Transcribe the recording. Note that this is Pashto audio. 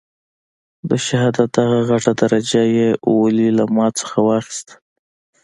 د شهادت دغه غټه درجه يې ولې ما له رانه کړه.